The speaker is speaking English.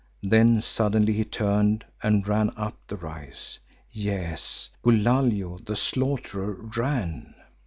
Then suddenly he turned and ran up the rise. Yes, Bulalio the Slaughterer ran!